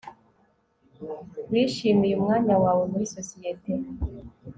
wishimiye umwanya wawe muri sosiyete